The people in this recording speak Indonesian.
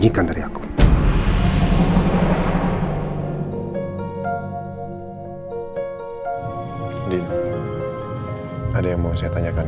tak kami tapi bagaimana berharusnya pak